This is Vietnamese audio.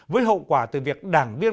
với hậu quả từ việc đảng viên